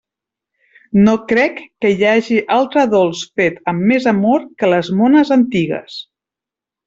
No crec que hi haja altre dolç fet amb més amor que les mones antigues.